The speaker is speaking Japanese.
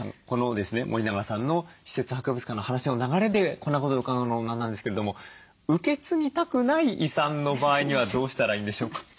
この森永さんの私設博物館の話の流れでこんなことを伺うのも何なんですけれども受け継ぎたくない遺産の場合にはどうしたらいいんでしょうか？